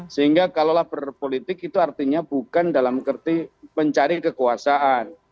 sehingga kalaulah berpolitik itu artinya bukan dalam kerti mencari kekuasaan